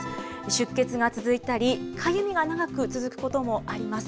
出血が続いたり、かゆみが長く続くこともあります。